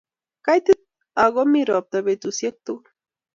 Kaitit ak ko mi ropta betusiek tugul